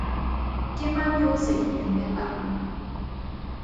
Ke mang yo o sa itumelang?